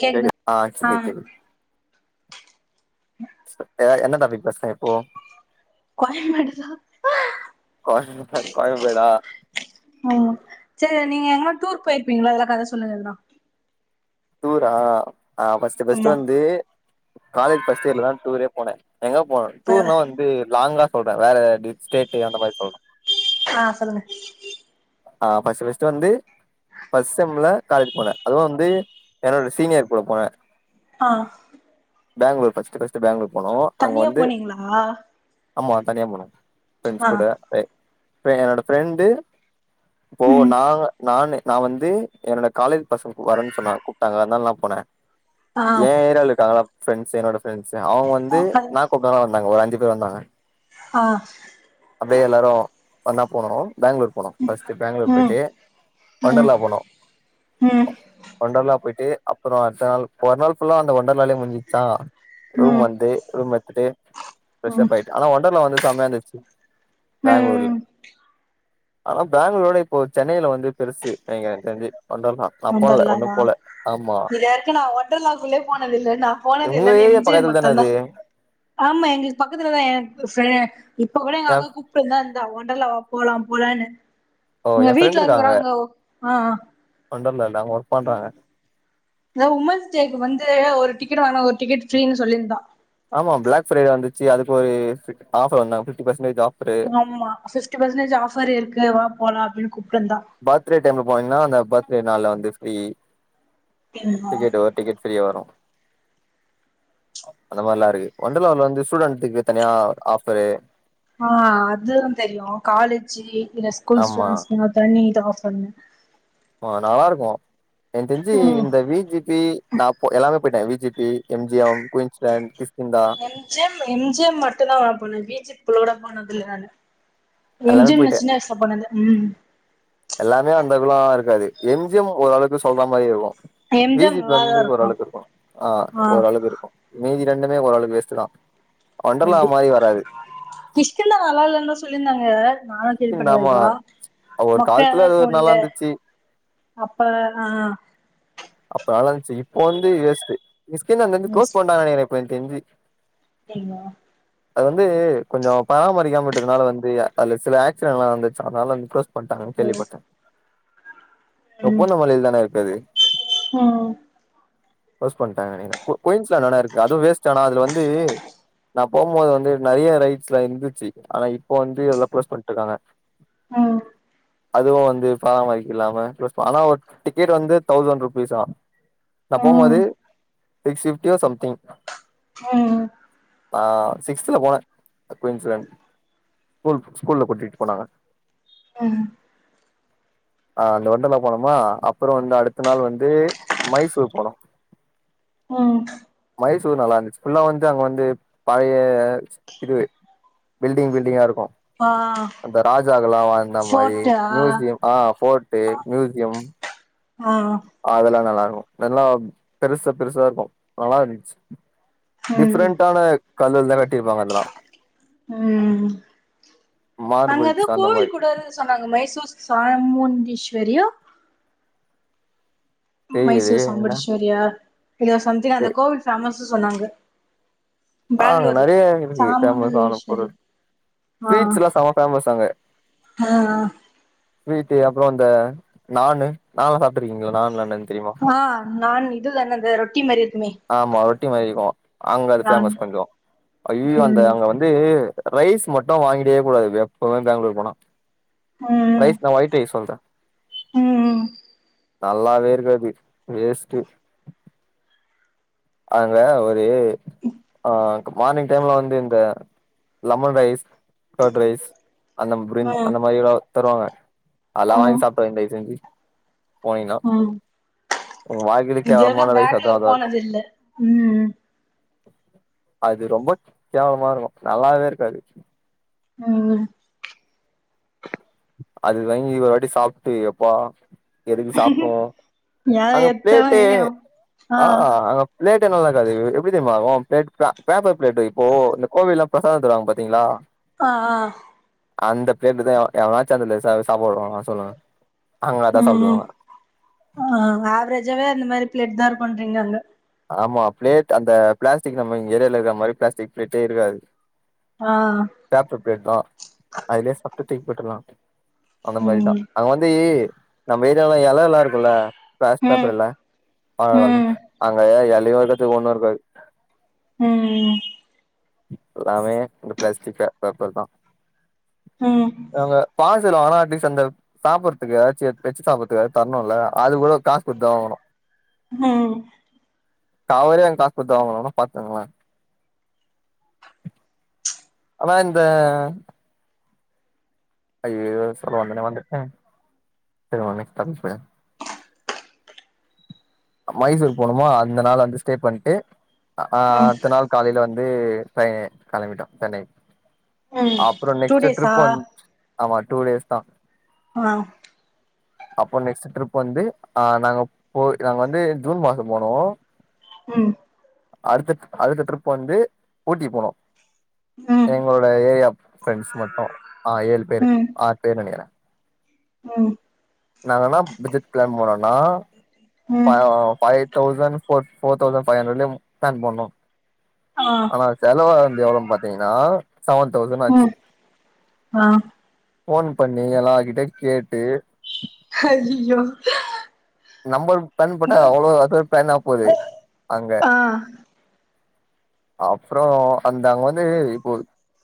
கேக்குதுங் கேக்குது ஆஹ் ஆ சரியா கேக்குது என்ன டாபிக் பேசலா இப்போ [unintelligible] கோய கோயம்பேடா உஹம் சரி நீங்க எங்கா டூர் போயிருப்பீங்களோ அதெல்லாம் கதை சொல்லுங்கான்னா தூரா அ ஃபர்ஸ்ட் ஃபர்ஸ்ட் ஆமா வந்து காலேஜ் ஃபர்ஸ்ட் இயர்ல தான் டூரே போனே எங்க போனோ ச டூர்னா வந்து லாங்கா சொல்ற வேற ஸ்டேட்டு அந்த மாரி சொல்ற ஆஹ் சொல்லுக அ ஃபஸ்ட்டு ஃபஸ்ட்டு வந்து ஃபஸ்ட் செம்ல காலேஜ் போன அதுவு வந்து என்னோட சீனியர் கூட போன ஆஹ் பேங்ளூர் பஸ்ட் பஸ்ட்டு பேங்ளூர் போனோ அங்க வந்து போனீங்களா ஆமா தனியா போன ஃப்ரண்ட்ஸ் ஆ கூட அத என்னோட ஃப்ரெண்டு போ ம் ந நானு நா வந்து என்னோட காலேஜ் பசங்க வரன் சொன்னாங் கூப்டாங்க அதனால போன ஆ எ ஏரியால இருக்காங்க ஃப்ரெண்ஸ் என்னோட பிரண்ட்ஸு அவங்க வந்து அது நா கூப்டனால வந்தாங்க ஒரு அஞ்சு பேர் வந்தாங்க ஆஹ் வந்தா போடணு பேங்களூர் போனோ ஃபர்ஸ்ட்டு பேங்களூர் ம் போய்ட்டு ம் ஒண்டர்லா போனோ ம் ஒண்டர்லா போய்ட்டு அப்பற அடுத்த நாள் ஒரு நாள் புல்லா அந்த ஒண்டர்லாலே முடிஞ்சுச்சா ரூம் ம் வந்து ரூம் எட்துட்டு ம் ஃப்ரஸப் ஆய்ட்டு ஆனா ஒண்டர்லா வந்து செமையா இருந்துச்சு பேங்ளூர்ல ம் ஆனா பேங்ளூர்ல விட இப்போ சென்னையில வந்து பெருசு நெனைக்கிறே எனக்கு தெரிஞ்சு ஒண்டர்லா நா போனல ஒன்னு ஒண்டர்லாவா போல ஆமா இதுவரைக்கு நா ஒண்டர்லாக்குள்ளயே போனதில்ல நா போனது உங்க எல்லாமே ஏரியா எம் ஜே பக்கத்துல தான மட்டு தா அது ஆமா எங்களுக்கு பக்கத்துல தா [unintelligible] இப்ப கூட எங்க எ அக்கா கூப்டு வந் தா ஒண்டர்லா வா போலா போலான்னு ஓ எங்க எ ஃப்ரெண்ட் வீட்டுல இருக்காங்க இருக்கறாவ்ங்கோ ஆஹ் ஒண்டர்லால அங்க ஒர்க் பண்றாங்க அத உமன்ஸ் டேக்கு வந் து ஒரு டிக்கெட் வாங்னா ஒரு டிக்கட் ஃப்ரீன்னு சொல்லிருந்தா ஆமா பிளாக் பிரைடே வந்துச்சு அதுக்கு ஒரு பி ஆஃபர் வந்தாங்க ஃபிப்டி பர்சன்டேஜ் ஆப் ஆமா சிஸ்டி பர்சன்டேஜ் ஆஃபர் இருக்கு வா போல அப்டீன் கூப் பர்த்டே டைம்ல போனீங்ன்னா அந்த பர்த் டே நாள்ல வந்து ஃப்ரீ அப்டிங்களா டிக்கெட்டு் ஒரு டிக்கெட் ஃப்ரீயா வரு அந்த மாரில்லா இருக்கு ஒண்டர்லவுல வந்து ஸ்டூடெண்ட்க்கு தனியா ஆஃபரு ஆஹ் அது எல்லா தெரியு காலேஜு இல்ல ஸ்கூல் ஆமா ஸ்டுடென்ட்க்குன்னு தனி பண்ணு ஆஹ் நல்லா இருக்கு எனக் தெரிஞ்சு ம் இந்த வி ஜி பி நா எல்லாமே போய்ட்டாங்க V G P, M G M, Queensland கிஸ் M G M, M G M, மட்டுதா [unintelligible] வி ஜி இப்பள கூட போனதில்ல நானு எம் எல்லாமே ஜி எம் நா போயிட்டே சின்ன வயசல போனது ம் எல்லாமே அந்த குளாம் இருக்காது எம்ஜிம் ஓரளவுக்கு சொல்ற மாதிரி இருக்கும் எம் ஜி எம் மீஜத் நல்லாதா வந்து இருக்கு ஓரளவு இருக்கும் ஆஹ் ஆ ஓரளவு இருக்கும் மீஜ இரண்டுமே ஓரளவுக்கு வேஸ்டுதா அப்டி கிஷ்களா நல்லா இல்ன்னா சொல்லியிருந்தாங்க நானும் கிஷ்கிந்தா கேள்படு ஆமா வரைக்கும் ஒரு மொக்க எதா காலத்துல அது ஒரு இருக்கும் நல்லா இல்ல இருந்துச்சு அப்ப ஆஹ் இப்ப வந்து வேஸ்ட் மி்ஸ்கந்த ம் க்ளோஸ் பண்டாங்க நெனக்கிற கொஞ தெஞ்சு [unintelligible] அது வந்து கொஞ்சம் பராமரிக்காமட்டதுனால வந்து அதுல சில ஆக் ஸிடன்ட்லா நடந்துச்சா அதனால இம் பாங்க ஹலோ கேள்விப்பட்டாங்க ஒப்போனம் மலில் தானேய அது உஹம் க்ளோஸ் பண்ணிடாங்க நெனைக்க குயின்ஸ் லா இருக்கு அது வேஸ்ட் அது வந்து வந்து நா போகும்போது வந்து நிறைய ரைட்ஸ்லா இருந்துச்சு ஆனா இப்ப வந்து இதாம் க்ளோஸ் பண்ணி ட்ருக்காங்க ஹ்ம் அதுவும் வந்து பராமரிக்கல்லாம ஆனா ஒரு டிக்கெட் வந்து தௌசண்ட் ருபீஸ் ஆன் நான் போம்போது ம் சிஸ் பிஃப்டியோ சம்திங் ம் ஆஹ் சிக்ஸ்தல போனேன் ஸ்கூ ல்ல கூட்டிட்டு போனாங்க அ அ அந்த வண்டர்லா போனுமா அப்ரோ வந்து அடுத்த நாள் வந்து மைசூர் போனோ உம் மைசூர் நல்லா இருந்துச்சி ஃபுல்லா வந்து அங்க வந்து பழைய சு இது பில்டிங் பில்டிங்கா இருக்கு ஆ அந்த ராஜாக்கலா வாழ்ந்த மாறி ஃபோர்ட்டா மியூசியம் ஆ ஃபோர்ட் டே மியூசியம் ஆ ஆ அதெல்லா நல்லாரு க்கு நல்லா பெருசு பெருசா இருக்கு நல்லா இருந்துச்சி ம் ம் டிஃபரென்ட்டான கல்லளதா கட்டியிருப்பாக அதலா உம் அங்க எது மார்பிள்ஸ் அந்த கோவில் மாரி கூடல்னு சொன்னாங்க மேசூர் சாமூந்தி ஸ்வரியா மைசூர் தெரியலையே என்ன சாம்புடீஸ்வரியா இங்க சம்திங் அந்த கோவில் ஃபேமஸ் சொன்னாங்க அ அங்க பேங்களூர்ல நெறைய இருக்கு ஃபேமஸ் ஆன சாமுண்டகேஸ்வரி பொருள் ஆ ஸ்வீட்ஸ் ல்லா செம ஃபேமஸ் அங்க ஆ ஸ்வீட்டு அப்ரோ இந்த நான்னு நான்லா சாப்டுருக்கீங்களா நான்லா என்னென் ஆ நான் இது தான் அது ரொட்டி மாரி இருக்குமே ஆமா ரொட்டி மாரி இருக்கு அங்க அது நான் ஃபேமஸ் கொஞ்சோ ஐயோ அந்த ம் அங்க வந்து ரைஸ் மட்டு வாங்கிடே கூடாது எப்பவு பேங்ளூர் போனா ம் ரைஸ் நா ஒயிட் ரைஸ் சொல்ற ம் நல்லாவே இருக்காது வேஸ்ட்டு அங்க ஒரு ஆங் மார்னிங் டைம்ல வந்து இந்த லெமன் ரைஸ் கர்ட் ரைஸ் அந்த ப்ரிஞ் ம் அந்த மாறி எதாவு தருவாங்க அல்லா ம் வாங்கி சாப்ட்ராதிங் தயவு செஞ்சி போனிங்னா ம் உங்க வாழ்கைலே இது வரைக்கு கேவலமான ரைஸ் பேங்களூர் அதாதா இருக்கு போனது இல்ல ம் அது ரொம்ப கேவலமா இருக்கு நல்லாவே இருக்காது ம் அது வங்கி ஒரு வாட்டி சாப்டு எப்பா எதுக்கு சாப்டோ ஏ அங்க எத்தவ ப்ளேட்டே ஆ அஅ அங்க ப்ளேட் [unintelligible] நல்லாக்காது எப்டி தெரிமா ஆவு ப்ளேட் பே பேப்பர் ப்ளேட்டு இப்போ இந்த கோவில்லா பிரசாதோ தருவாங்க பாத்தீங்களா அ அ அந்த ப்ளேட்டு தா எவனாச்சு அந்த ச சாப்ட வருவானா சொல்லு ம் ம் அ ஆவ்ரேஜாவே அந்த மாரி பிளேட் தார் பண்றீங்க அங்க ஆமா பிளேட் அந்த ப்ளாஸ்டிக் நம்ம இங்க ஏரிய இருக்க மாரி ப்ளாஸ்டிக் ப்ளேட்டே இருக்காது ஆ பேப்ப ப்ளேட் தா அதுல்யே சா ட்டு தூக் போட்டுல்லா அந்த மாரி தா ம் அங்க வந்து நம்ப ஏரியால ல எல ல்லா இருக்குல ப்ளாஸ்ட் ம் பேப்பரல ம் [unintelligible] எலையு இருக்காது ஒண்ணு இருக்காது ம் எல்லாமே இந்த பிளாஸ்டிக் பேப்பர் தான் ம் அவுங்க பா ஆா அந்த சாப்பிடறதுக்கு ஏதா வெச்சு சாப்படுறக்கா தரணும்ல அது கூட காசு கொடுத்தான் ஆகணும் ம் கவரயே காஸ் குடுத்தா வாங்கனோ பாத்துக்குங்ல ஆமா இந்த ஐய சொல்ல வந்தனே வந்துட்டேன் சரி்ன் மைசூர் போணுமோ அந்த நாள் வந்து ஸ்டே பண்ணிட்டு ஆஹ் ம் த நாால் காலில வந்து வந்து ச கிளம்பிட்டோம் சென்னை ம் அப்புறோ டூ நெக்ஸ்ட்டு டேஸா ட்ரிப்பு வந்து ஆமா டூ டேஸ் தான் ஆஹ அப்போ நெக்ஸ்ட் ட்ரிப் வந்து ஆஹ் நாங்க போ நாங்க வந்து ஜூன் மாசம் போனோம் உம் அடுத்த அடுத்த டரிப் வந்து போட்டி போனோம் ம் எங்களோட ஏரியா ப்ரெண்ட்ஸ் மட்டும் ஆஹ் ஏழு பேர் ம் ஆறு பேர் நினைக்கிறேன் ம் நாங்க என்னா பஜட் கிளைம் போனோம்னா ம் பை five thousand ஃபோட் four thousand five ஹண்ரட்லயே ஃப்ளான் போண்ணோ ஆ ஆனா செலவா வந்து எவ்ளோனு பாத்தீங்ன்னா செவன் தௌசண் ஆச்சு ம் ஆ போன் பண்ணி எல்லார்கிட்டயோ கேட்டு அய்யயோ நம்பர் பின் போட்ட அவ்ளோ அ ஒரு பேனா போது அங்க ஆ அப்றோ அந்த அங்க வந்து இப்போ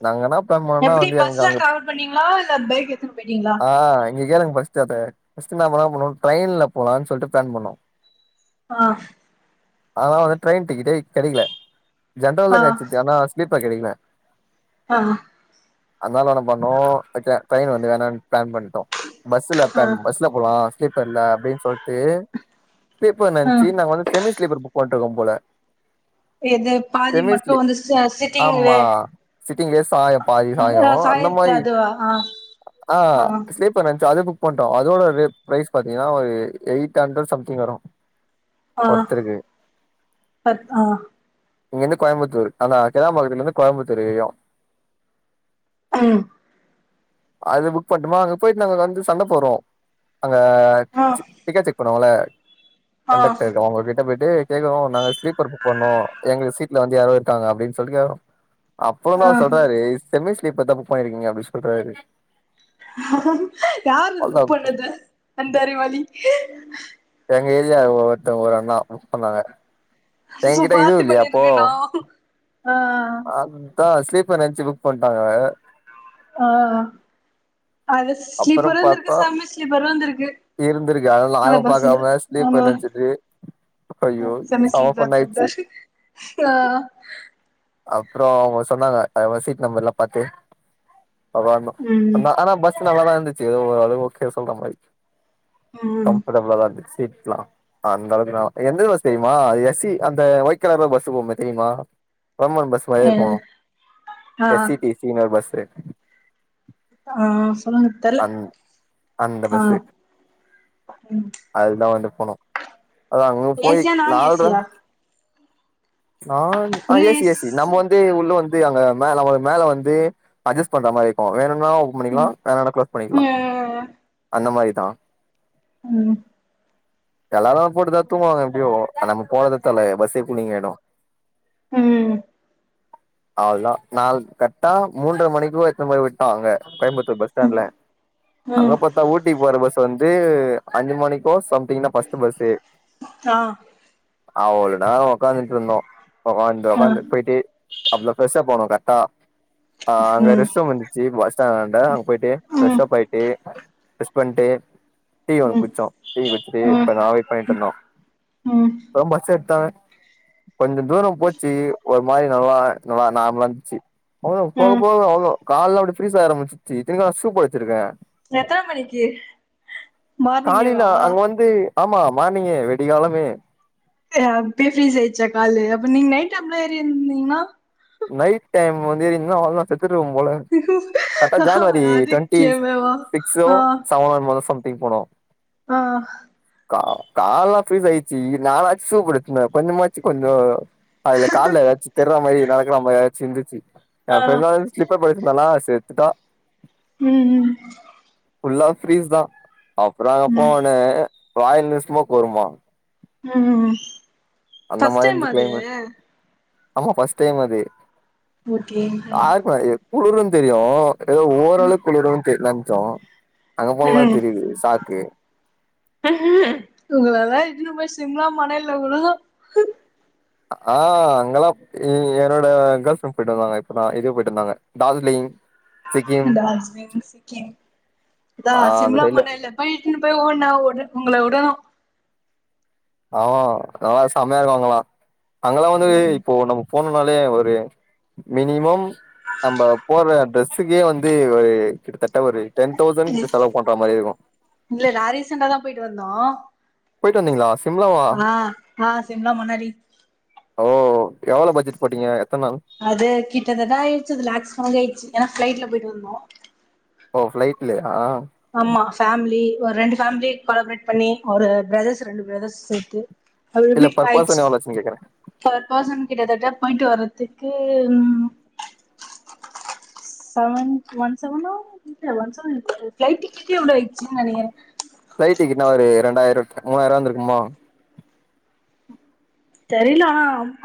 நாங்கன்னா எப்டி பஸ்ல ட்ராவல் பண்ணீங்ளா இல்ல பேக் எத்துனு போய்ட்டீங்களா நீங்க கேளுங்க பஸ்ட் அத பஸ்ட் என்ன பண்ணலானு போனோ ட்ரெய்ன்ல போலானு சொல்ட்டு ப்ளான் பண்ணோ ஆஹ் ஆனா வந்து ட்ரெயின் டிக்கிட்டே கெடைக்கல ஜென்ரல்ல ஆ கெச்சிர்ச்சு ஆனா ஸ்லீப் கெடிக்கல ஆஹ் அதனால என்ன பண்ணோ ட்ட ட்ரெயின் வந்து வேணானு பிளான் பண்ட்டோ பஸ்ல ஆ ப்ளான் பஸ்ல போலா [unintelligible] ப்பல்ல அப்டின்ஸ் பேப் பேப்பர் ஆ நென்ச்சு நாங்க வந்து செமி ஸ்லீப்பர் [unintelligible] போட்டுக்கும் போல எது பாதி மட்டு செமிசி வந்து ச சிட்டிங்ல ஆமா சிட்டிங்ல சாயோ பாதி சாயோ ஆ அந்த சாயத்து மாரி அதுவா ஆ ஆ ஆஹ் ஸ்லீப்பர் நன்ச்சு அது புக் பண்றோ அதோட ர ப்ரைஸ் பாத்தீங்கன்னா ஒரு எயிட் அண்ட்ரட் சம்திங்க வரும் ஆஹ் ப ஆஹ் இங்கருந்து கோயம்புத்தூர் ஆந்தா கெளாம்பாக்கத்துலருந்து கோயம்புத்தூர் ஏரியா உம் அது புக் பண்ட்டமா அங்க பொயிட்டு நாங்க வந்து சண்ட போட்றோ அங்க ஆ [unintelligible] ஆ கண்டக்டரு அவுங்க கிட்ட போயிட் கே கேக்குனு நாங்க ஸ்லீப்பர் புக் பண்ணு எங்க சீட் [unintelligible] யாறோ இருக்காங்க அப்டின்னு சொல்லிக்கோ அப்றோ தா ஆ சொல்றாரு செமிஸ் இப்ப தப்பு பண்ணிருக்கீங்க அப்டி சொல்றாரு யாரு இது அவ்ளோதா புக் பண்ணது அந்த அறிவாளி எங்க ஏரியா ஒருவத்தங்க ஒரு அண்ணா புக் பண்ணாங்க அப்போ என்கிட்ட இதுவு பாத்து இல்லையா அப்போ பண்ணிருகணு ஆஹ் தான் ஸ்லீப்பர் நனச்சு புக் பண்ணிட்டாங்க ஆஹ் அது அப்புறோ ஸ்லீப்பரும் வந்த இருக்கு பாத்தா செமி ஸ்லீப்பரும் வந்திருக்கு இருந்திருக்கு அதனால அந்த நாங்க பஸ்சுல பாக்காம ஸ்லீப்பர் ஆமா நெனச்சிட்டு ஐயோ செம ஃபன் செமிஸ்லீப்பர் ஆயிடுச்சு ஆஹ் அப்புறம் அவங்க சொன்னாங்க சீட் நம்பர்லாம் பாத்து அ ம் நான் [unintelligible] நல்லா தான் இருந்துச்சு ஏதோ ஒரு அளவு ஓகே சொல்ற மாதிரி ம் கம்ஃபர்டபள்தா இருந்துச்சு [unintelligible] அந்த அளவுக்கு எந்த பஸ் தெரியுமா அது ஸ் சி அந்த ஓயிட் கலர்ல பஸ் போகு தெரியுமா [unintelligible] கவர்மண்ட் பஸ் மாரி இருக்கும் அ ஆ எஸ் இ டி சி பஸ்னு ஒரு பஸ் [unintelligible] ஆ ஆ சொல்லுங்க தெர்ல அந்த ஆ பஸ்ஸு ம் [unintelligible] அதா அங்க போயி ஏசியா நான் நால்ற ஏசியா நான் ஆ ஏசி ஏசி நம்ம வந்து உள்ள வந்து [unintelligible] மேல வ மேல வந்து அட்ஜஸ்ட் பண்றா மாரி இருக்கு வேணு ன்னா ஓபன் பண்ணிக்கலா ம் வேணான்னா க்ளோஸ் பண்ணிக்கலா ம் அந்த மாரி தா ம் ம் எல்லாரு போட்டு தூங்குவாங்க எப்டியோ நம்ம போனது [unintelligible] பஸ்ஸே கூலிங்கயிடு ம் அவ்ளதா நாள் கரெக்டா மூன்றர மணிக்கு எடுத்துன்னு போய் விட்டான் அங்க கோயம்புத்தூர் பஸ் ஸ்டாண்ட்ல அங்க ம் பாத்தா ஊட்டிக்கு போற பஸ் வந்து அஞ்சு மணிக்கோ சம் தீங்கன்னா ஃபஸ்ட்டு பஸ்ஸு ஆ அவளோ நேர உக்காந்துட்டு இருந்தோ தொ ஆ உக்காந்துட்டு போயிட்டு அப்ற தா பெரஷ்ஷப் ஆனோ [unintelligible] ஆ அங்க ம் ரெஸ்ட்ரூம் இந்துச்சு பஸ் ஸ்டாண்ட்டாண்ட அங்க போயிட்டு ம் பெரஷ்ஷப் ஆயிட்டு [unintelligible] டீ ஒன்னு ம் குடிச்சோ டீ குடிச்சிட்டு ம் [unintelligible] வெய்ட் பண்ணிட்டு இருந்தோ ம் அப்றோ பஸ் எடுத்தாங்க கொஞ்சோ தூர போச் ச்சி ஒரு மாதிரி நல்லா நல்லா நார்மலா இருந்துச்சு [unintelligible] போக ம் போக அவளோ கால்லா அப்டி ஃரீஸ் ஆரம்பிச்சிச்சி இத்தினிக்கு நா ஷூ போட்டுருக்கே எத்தன மணிக்கு காலைல மார்னிங்கேவா அங்க வந்து ஆமா மார்னிங்கே வெடியகாலமே [unintelligible] அப்பயே ஃப்ரீஸ் ஆயிடுச்சா காலு அப்ப நீங்க நைட் டைம்ல ஏறியிருந்தீங்கன்னா நைட் டைம் வந்து ஏறிருந்தீங்கன்னா அவ்ளோ தா செத் த்துடுவ போல அக்கா ஜன்வரி டுவெண்ட்டி அதுக்கேவா சிக்ஸ்ஸோ ஆ செவன்னோ [unintelligible] சம் போனோ ஆ கா கால்லா ஃப்ரீஸ் ஆயிடுச்சு நானாச்சு ஷுப்போட்டுருந்தனே கொஞ்சமாச்சு கொஞ்சோ அதுல கால்ல எதாச்சு தெர்றா மாரி [unintelligible] இருந்திச்சு ஆ [unintelligible] இதல்லாம சேத்து தா உம் உம் புள்ளா ஃபரீஸ் தா அப்புற ம் போன ராயல் நிஸ்மோக்கு வருமா உம் உம் உம் அந்த மாதிரி இருந்து கிளைமேட் ஆமா பஸ்ட் டைம் அது ஓக்கே யாருக்கு குளுருன்னு தெரியு ஏதோ ஓரலவுக்கு குளிரிந்து நந் டோ அங்க போண்ணலா ம் தெரியுது சாக்கு உங்களலா இட்டுனு போய் சிம்லா மனல்ல உளு ஆ அங்கெல்லா ம் என்னோட கேர்ள்ஸ் ஃப்ரெண்ட் போயிட்டு இருந்தாங்க இப்பதா இது போயிட்டு வந்தாங்க டார்ஜிலிங் சிக்கிம் டார்ஜிலிங் சிக்கிம் அதா ஆ அந்த சிம்ல சைட்ல மண்ணல்ல போயிட்டுன்னு போய் ஓனா உங்களை உடனு ஆமா நல்லா செம்மையா இருக்காங்களா அங்கள வந்து இ ம் போண போனனாலேயே ஒரு மினிமம் நம்ப போர ட்ரெஸ்ஸுகே வந்து ஒரு கிட்டத்தட் ட்ட ஒரு டென் தசண்ட கிட்ட செலவு பண்ற மாதிரி இருக்கு இல்ல நான் ரீசெண்டா தான் போயிட்டு வந்தோம் போயிட்டு வந்தீங்களா சிம்லாவா ஆ ஆ சிம்லா மனலி ஓ எவ்வளோ பட்ஜெட் போட்டீங்க எத்தன நாள் அது கிட்டதட்ட ஆயிடுச்சு அது லேக்ஸ் கணக்கு ஆயிடுச்சு ஏனா ஃப்ளைட்டுல போயிட்டு வந்தோ ஓ ஃப்ளளைட்டலயா ஆமா ஃபமிலி ஒரு ரெண்டு ஃபேமிலி கோலாபரேட் பண்ணி ஒரு பிரதர்ஸ் ரெண்டு பிரதர்ஸ் சேத்து அவ இல்ல [unintelligible] பர் பர்சன் வாயச்சு எவ்ளோ ஆச்சுன்னு கேக்குறே பர் பிர்சன் கிட்டத்தட்ட போயிட்டு வரதுக்கு செவன் ஒன் செவன்னோ இல்ல ஒன் சேவன் இல்ல பப்ளைட் டிக்கட்டே அவ்ளோ ஆச்சுன்னு நேனக்குரே இரண்டாயிரோ மூவாயிரோ வந்திருக்குமா தெரியலா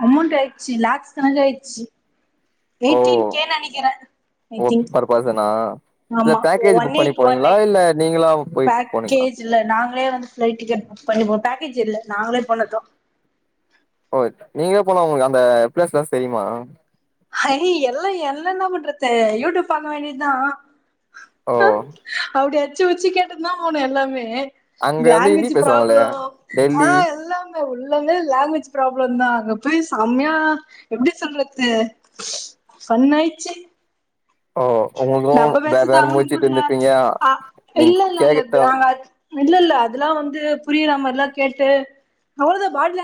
அமௌண்ட் ஆயிடுச்சு லாகக்ஸ் கணக்கு ஆயிடுச்சு எய்ட்டின் ஓ கே நெனைக்கிறே ஐ ஓ திங்க் பர் பர்சனா இல்ல ஆமா பேக்கேஜ் ஒன் புக் பண்ணி எயிட் ஒன் போனீங்களா இல்ல நீங்களா போயிட்டு போனீங்களா எக்கேஜ் இல்ல நாங்களே வந்து பளைட் டிக்கெட் பு பண்ணி பேக்கேஜ் இல்ல நாங்களே போண்ணதோம் ஓ நீங்களே போனா உங்களுக்கு அந்த பிளேஸ்ல தெரியுமா ய எல்லாம் என்ன என்ன பண்றது யூடியூப் பண்ண வேண்டியதுதான் ஓ அப்படி அச்சு உச்சு கேட்டு தான் போனும் எல்லாமே அங்க வந்து ஹிந்தி லாங்குவேஜ் பேசுவாங்களே ப்ராப்ளம் டெல்லி ஆஹ் எல்லாமே உள்ள லாங்குவேஜ் ப்ராப்ளம் தான் அங்க போய் சமியா எப்படி சொல்றது பண்ண ஆயிச்சு ஓ உங்களுக்கும் வேற வேற அவனுக்கு மூடிச்சுட்டு புர்ல இருந்தப்பீங்க அ இல்ல நீங்க இல்ல இல்ல கே்கட்ட நாங்க இல்ல இல்ல அதெல்லாம் வந்து புரிய நாமல்லாம் கேட்டு அவ்வளவுதான் பாடல